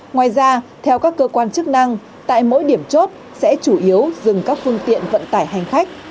ngoài ra theo các cơ quan chức năng tại mỗi điểm chốt sẽ chủ yếu dừng các phương tiện vận tải hành khách